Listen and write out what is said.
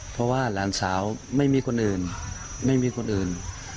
เพราะว่าหลานสาวไม่มีคนอื่น